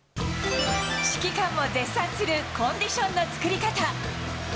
指揮官も絶賛するコンディションの作り方。